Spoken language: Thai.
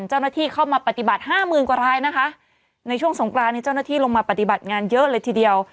เจ้าหน้าที่เข้ามาปฏิบัติห้าหมื่นกว่ารายนะคะในช่วงสงกรานนี้เจ้าหน้าที่ลงมาปฏิบัติงานเยอะเลยทีเดียว